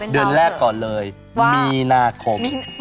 เดือนแรกก่อนเลยมีนาคม